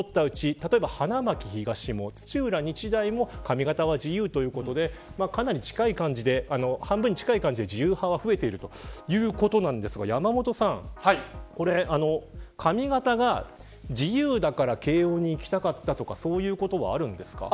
例えば花巻東も土浦日大も髪形は自由ということでかなり半分に近い感じで自由派が増えているということなんですが山本さん、これ、髪形が自由だから慶応に行きたかったとかそういうことはあるんですか。